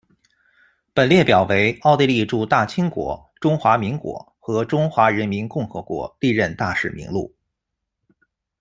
本列表为奥地利驻大清国、中华民国和中华人民共和国历任大使名录。